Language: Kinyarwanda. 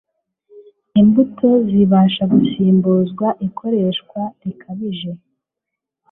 Imbuto zibasha gusimbuzwa ikoreshwa rikabije